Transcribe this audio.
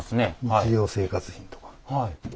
日用生活品とか。